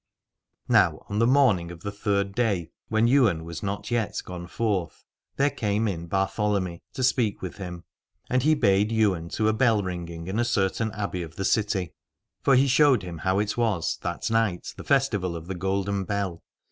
Now on the morning of the third day, when Ywain was not yet gone forth, there came in Bartholomy to speak with him. And he bade Ywain to a bell ringing in a certain Abbey of the city : for he showed i68 Aladore him how it was that night the festival of the Golden Bell.